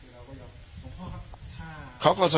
เขาก็สะใจก็เหมือนรอดโรคพ่อเขาก็สะใจ